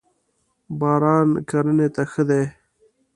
باران کرنی ته ښه دی.